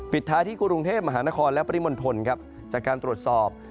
ท้ายที่กรุงเทพมหานครและปริมณฑลครับจากการตรวจสอบ